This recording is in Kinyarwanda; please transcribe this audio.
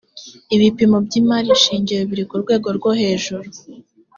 ibipimo by’ imari shingiro birikurwego rwohejuru.